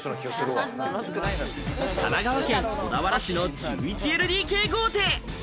神奈川県小田原市の１１ＬＤＫ豪邸。